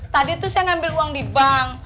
tadi tuh saya ngambil uang di bank